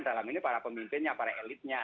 dalam ini para pemimpinnya para elitnya